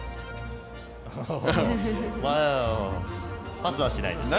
パスはしないですね。